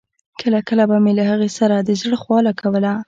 کله کله به مې له هغه سره د زړه خواله کوله.